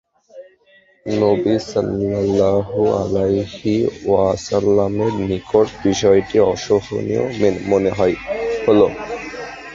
নবী সাল্লাল্লাহু আলাইহি ওয়াসাল্লামের নিকট বিষয়টি অসহনীয় মনে হল।